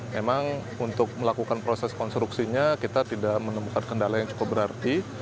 memang untuk melakukan proses konstruksinya kita tidak menemukan kendala yang cukup berarti